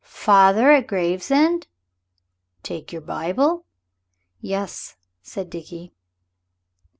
Father at Gravesend? Take your Bible?" "Yuss," said Dickie.